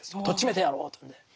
とっちめてやろうというんで。